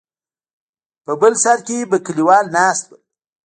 په بل سر کې به کليوال ناست ول.